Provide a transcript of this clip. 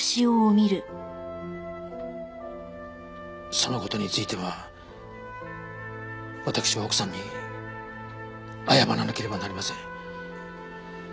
その事については私は奥さんに謝らなければなりません。